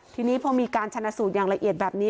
ทีนี้พอมีการชนะสูตรอย่างละเอียดแบบนี้